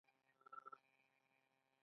ایا زه باید په اورګاډي کې سفر وکړم؟